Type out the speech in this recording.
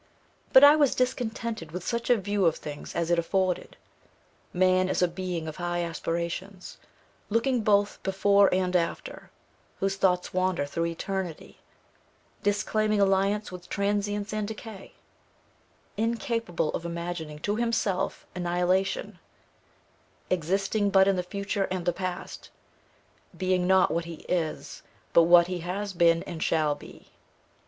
But I was discontented with such a view of things as it afforded; man is a being of high aspirations, 'looking both before and after,' whose 'thoughts wander through eternity,' disclaiming alliance with transience and decay; incapable of imagining to himself annihilation; existing but in the future and the past; being, not what he is, but what he has been and shall be.